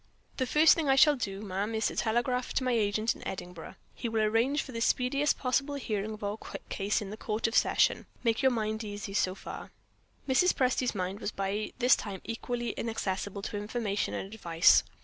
"The first thing I shall do, ma'am, is to telegraph to my agent in Edinburgh. He will arrange for the speediest possible hearing of our case in the Court of Session. Make your mind easy so far." Mrs. Presty's mind was by this time equally inaccessible to information and advice.